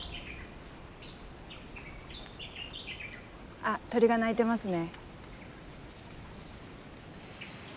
あっ鳥が鳴いてますね。